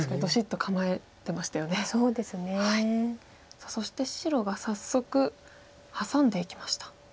さあそして白が早速ハサんでいきました。